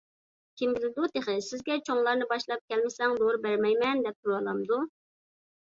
كىم بىلىدۇ، تېخى سىزگە چوڭلارنى باشلاپ كەلمىسەڭ دورا بەرمەيمەن دەپ تۇرۇۋالامدۇ!